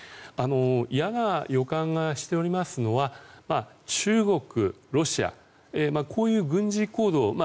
嫌な予感がしておりますのは中国、ロシアこういう軍事行動